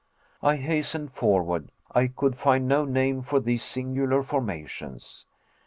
I hastened forward. I could find no name for these singular formations.